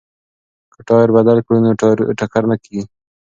که ټایر بدل کړو نو ټکر نه کیږي.